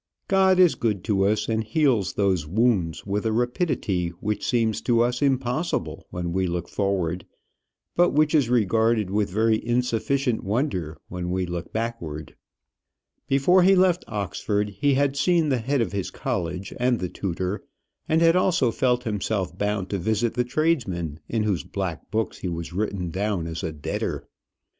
God is good to us, and heals those wounds with a rapidity which seems to us impossible when we look forward, but which is regarded with very insufficient wonder when we look backward. Before he left Oxford he had seen the head of his college and the tutor; and had also felt himself bound to visit the tradesmen in whose black books he was written down as a debtor.